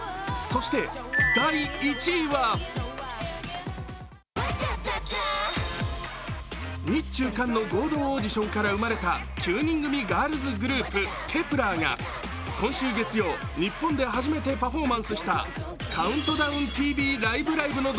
そして第１位は日中韓の合同オーディションから生まれた９人組ガールズグループ、ｋｅｐ１ｅｒが今週月曜、日本で初めてパフォーマンスした「ＣＤＴＶライブ！